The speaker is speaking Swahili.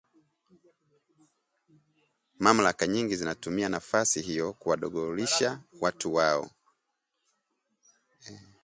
Mamlaka nyingi zinatumia nafasi hiyo kuwadogolisha watu wao